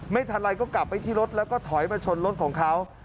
ไม่ทันไรก็กลับไปที่รถแล้วก็ถอยมาชนรถของเขา